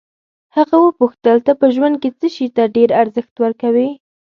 هغه وپوښتل ته په ژوند کې څه شي ته ډېر ارزښت ورکوې.